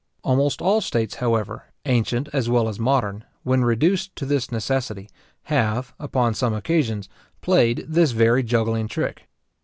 Almost all states, however, ancient as well as modern, when reduced to this necessity, have, upon some occasions, played this very juggling trick.